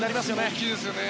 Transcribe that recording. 大きいですよね。